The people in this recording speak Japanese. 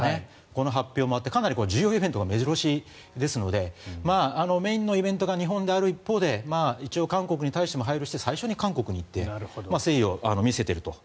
この発表もあってかなり重要イベントが目白押しですのでメインのイベントが日本である一方で一応、韓国に対しても配慮して最初に韓国に行って誠意を見せていると。